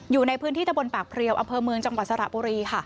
อยู่ในพื้นที่ตะบนปากเพลียวอำเภอเมืองจังหวัดสระบุรีค่ะ